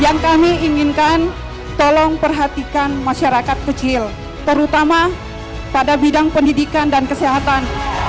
yang kami inginkan tolong perhatikan masyarakat kecil terutama pada bidang pendidikan dan kesehatan